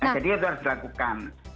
jadi itu harus dilakukan